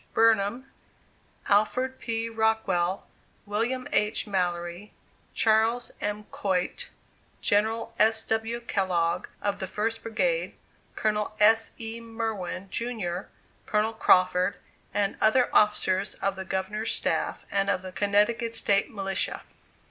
Burnham, Alford P. Rockwell, William H. Mallory, Charles M. Coit, General S. W. Kellogg, of the First Brigade; Colonel S. E. Merwin, jr., Colonel Crawford, and other officers of the Governor's staff, and of the Connecticut State Militia.